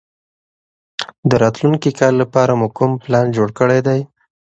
د راتلونکي کال لپاره مو کوم پلان جوړ کړی دی؟